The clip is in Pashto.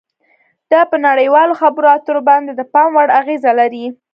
دا په نړیوالو خبرو اترو باندې د پام وړ اغیزه لري